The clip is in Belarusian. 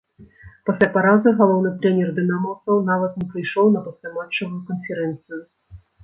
Пасля паразы галоўны трэнер дынамаўцаў нават не прыйшоў на пасляматчавую канферэнцыю.